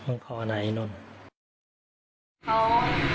แล้วพวกเราขับลงไปค่ะ